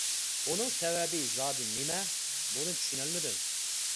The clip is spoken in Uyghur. بۇنىڭ سەۋەبى زادى نېمە؟ بۇنى چۈشىنەلمىدىم.